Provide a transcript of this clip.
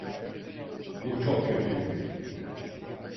Bu çok kötüydü.